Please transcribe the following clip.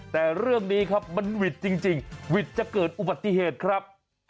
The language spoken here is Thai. แต่เรื่องนี้ครับมันหวิดจริงหวิดจะเกิดอุบัติเหตุครับ